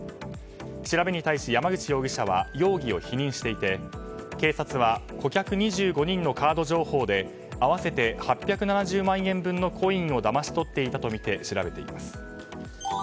調べに対し、山口容疑者は容疑を否認していて警察は顧客２５人のカード情報で合わせて８７０万円分のコインをだまし取ったとみて調べています。